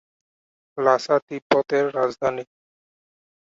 Lhasa Tibet এর রাজধানী।